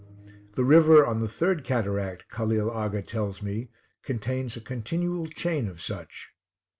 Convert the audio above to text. The river on the third cataract, Khalil Aga tells me, contains a continual chain of such.